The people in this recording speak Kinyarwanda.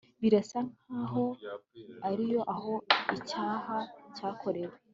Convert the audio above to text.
Birasa nkaho yari aho icyaha cyakorewe